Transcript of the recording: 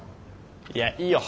いやいいよ。